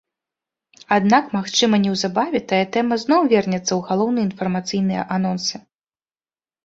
Аднак магчыма неўзабаве тая тэма зноў вернецца ў галоўныя інфармацыйныя анонсы.